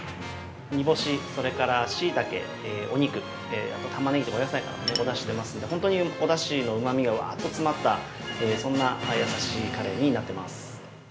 ◆煮干し、それからシイタケお肉、あとタマネギとかお野菜からもお出汁が出ますんで本当にお出汁のうまみがわーっと詰まった、そんな優しいカレーになっています。